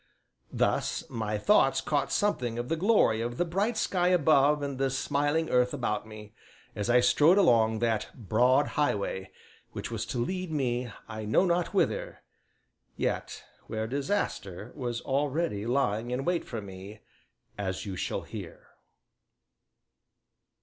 Thus, my thoughts caught something of the glory of the bright sky above and the smiling earth about me, as I strode along that "Broad Highway" which was to lead me I knew not whither, yet where disaster was already lying in wait for me as you shall hear.